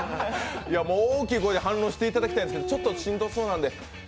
大きい声で反論していただきたいんですけど今日はしんどそうで。